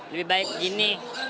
lebih baik gini